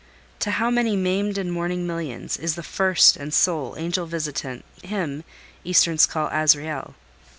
To how many maimed and mourning millions is the first and sole angel visitant, him easterns call Azrael!